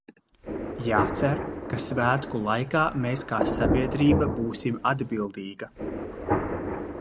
Jācer, ka svētku laikā mēs kā sabiedrība būsim atbildīga.